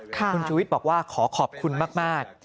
คุณชูวิทย์บอกว่าขอขอบคุณมาก